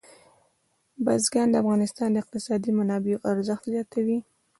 بزګان د افغانستان د اقتصادي منابعو ارزښت زیاتوي.